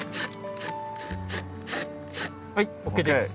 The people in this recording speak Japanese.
はいＯＫです。ＯＫ。